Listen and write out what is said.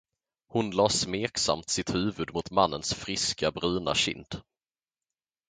Hon lade smeksamt sitt huvud mot mannens friska, bruna kind.